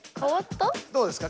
どうですか